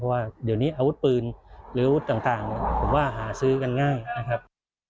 เพราะว่าเดี๋ยวนี้อาวุธปืนหรืออาวุธต่างผมว่าหาซื้อกันง่ายนะครับ